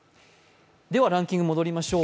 ではランキング戻りましょう。